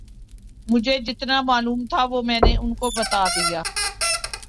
مجھے جتنا معلوم تھا وہ میں نے ان کو بتا دیا